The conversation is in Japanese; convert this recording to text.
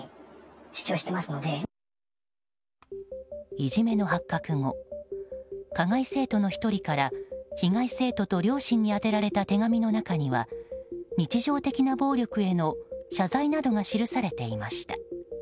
いじめの発覚後加害生徒の１人から被害生徒と両親に宛てられた手紙の中には日常的な暴力への謝罪などが記されていました。